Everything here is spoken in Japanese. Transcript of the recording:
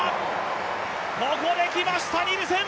ここで来ました、ニルセン。